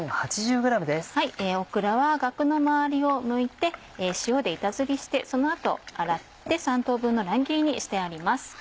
オクラはガクの周りをむいて塩で板ずりしてその後洗って３等分の乱切りにしてあります。